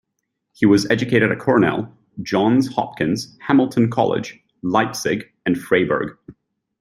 He was educated at Cornell, Johns Hopkins, Hamilton College, Leipzig, and Freiburg.